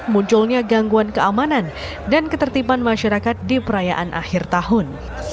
munculnya gangguan keamanan dan ketertiban masyarakat di perayaan akhir tahun